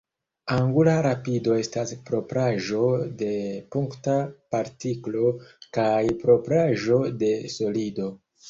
Angula rapido estas propraĵo de punkta partiklo kaj propraĵo de solido.